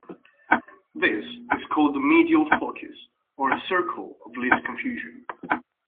This is called the "medial focus" or "circle of least confusion".